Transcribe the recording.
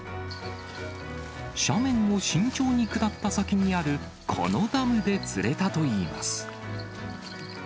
斜面を慎重に下った先にある、このダムで釣れたといいます。